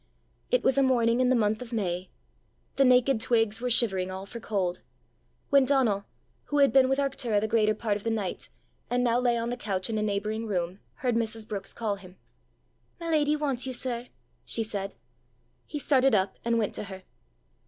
It was a morning in the month of May The naked twigs were shivering all for cold when Donal, who had been with Arctura the greater part of the night, and now lay on the couch in a neighbouring room, heard Mrs. Brookes call him. "My lady wants you, sir," she said. He started up, and went to her.